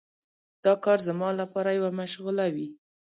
دا کار زما لپاره یوه مشغله وي.